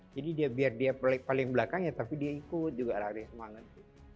jadi dia biar dia paling belakangnya tapi dia ikut juga lari semangat